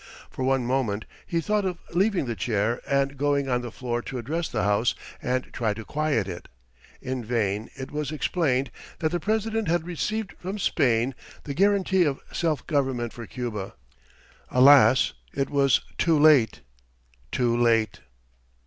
For one moment he thought of leaving the chair and going on the floor to address the House and try to quiet it. In vain it was explained that the President had received from Spain the guarantee of self government for Cuba. Alas! it was too late, too late!